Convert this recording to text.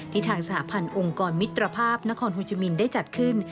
ทางสหพันธ์องค์กรมิตรภาพนครโฮจิมินได้จัดขึ้น